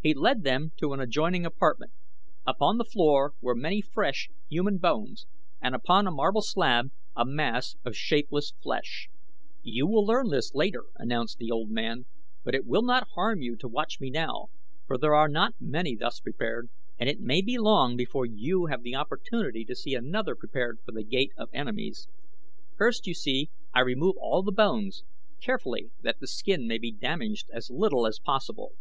He led them to an adjoining apartment. Upon the floor were many fresh, human bones and upon a marble slab a mass of shapeless flesh. "You will learn this later," announced the old man; "but it will not harm you to watch me now, for there are not many thus prepared, and it may be long before you will have the opportunity to see another prepared for The Gate of Enemies. First, you see, I remove all the bones, carefully that the skin may be damaged as little as possible.